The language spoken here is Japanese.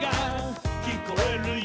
「きこえるよ」